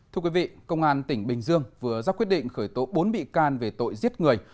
thưa quý vị công an tỉnh bình dương vừa ra quyết định khởi tố bốn bị can về tội giết người